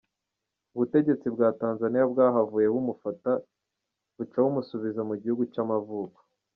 Ubutegetsi bwa Tanzaniya bwahavuye bumufata, buca bumusubiza mu gihugu c'amavuko.